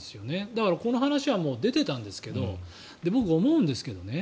だから、この話はもう出ていたんですが僕、思うんですけどね。